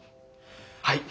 はい。